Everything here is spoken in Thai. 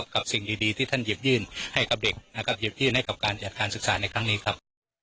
สิ่งดีที่ท่านหยิบยื่นให้กับเด็กนะครับหยิบยื่นให้กับการจัดการศึกษาในครั้งนี้ครับ